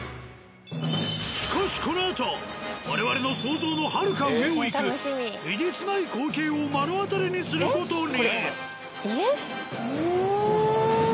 しかしこのあと我々の想像のはるか上をいくえげつない光景を目の当たりにする事に。